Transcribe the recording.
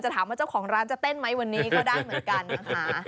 ถามว่าเจ้าของร้านจะเต้นไหมวันนี้ก็ได้เหมือนกันนะคะ